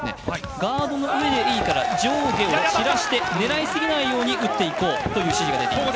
ガードがいいから上下を散らして狙いすぎないように打っていこうという指示が出ています。